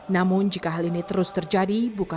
namun jika hal ini terus terjadi